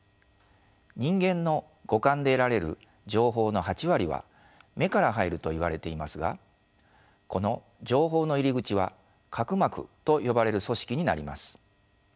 人間の五感で得られる情報の８割は目から入るといわれていますがこの情報の入り口は角膜と呼ばれる組織になります。